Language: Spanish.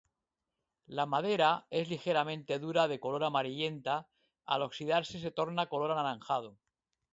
La madera es ligeramente dura de color amarillenta, al oxidarse se torna color anaranjado.